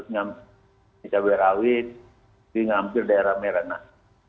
ini cabai rawit ini hampir daerah merah